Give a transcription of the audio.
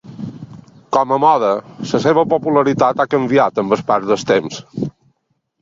Com a moda, la seva popularitat ha canviat amb el pas del temps.